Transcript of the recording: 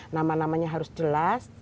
nama namanya harus jelas